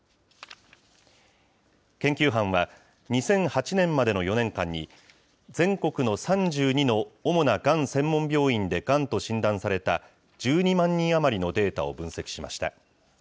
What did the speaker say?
研究班は、２００８年までの４年間に、全国の３２の主ながん専門病院でがんと診断された１２万人余りのデータを分析しました。